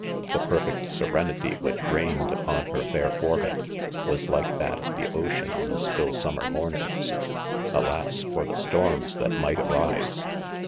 The perfect serenity which reign ed upon her fair forehead, was like that of the ocean oh a still summer morning, — alas ! for the storms that might arise.